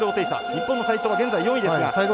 日本の齋藤は現在４位ですが。